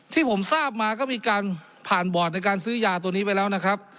ที่ผมทราบมาก็มีการผ่านบอร์ดในการซื้อยาตัวนี้ไปแล้วนะครับ